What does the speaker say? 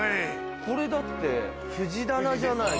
これだって藤棚じゃない？